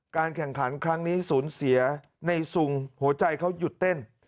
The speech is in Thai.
แข่งขันครั้งนี้สูญเสียในซุงหัวใจเขาหยุดเต้น